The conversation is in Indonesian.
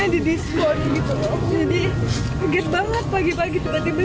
dia sempat main game